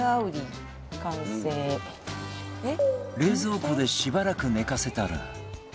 冷蔵庫でしばらく寝かせたら